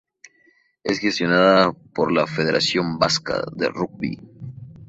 Es gestionada por la Federación Vasca de Rugby.